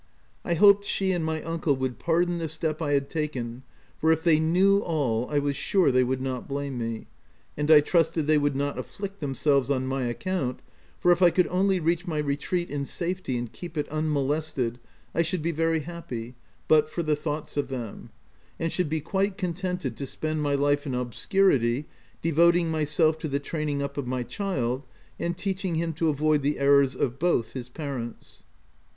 I hoped she and my uncle would pardon the step I had taken, for if they knew all, I was sure they would not blame me ; and I trusted they would not afflict themselves on my account, for if I could only reach my retreat in safety and keep it unmolested, I should be very happy, but for the thoughts of them ; and should be quite con tented to spend my life in obscurity, devoting myself to the training up of my child, and teaching him to avoid the errors of both his parents.